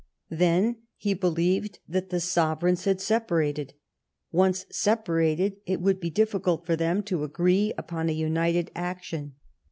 Then, he believed that the sovereigns had separated. Once separated, it would be difficult for them to agree upon a united action.